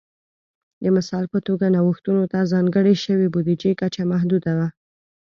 د مثال په توګه نوښتونو ته ځانګړې شوې بودیجې کچه محدوده وه